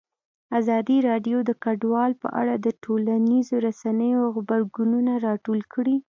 ازادي راډیو د کډوال په اړه د ټولنیزو رسنیو غبرګونونه راټول کړي.